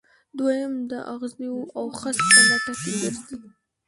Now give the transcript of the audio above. دویم د اغزیو او خس په لټه کې ګرځي.